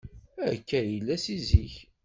Akka ay tella seg zik.